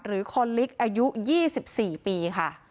หรือคนลิกอายุ๒๔ปีค่ะ